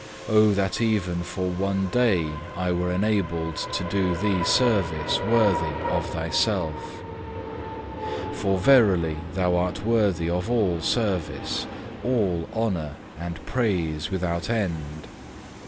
Oh that even for one day I were enabled to do Thee service worthy of Thyself! For verily Thou art worthy of all service, all honour, and praise without end.